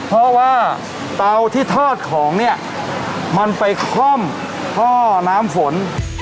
เพราะว่าเตาที่ทอดของเนี่ยมันไปคล่อมท่อน้ำฝน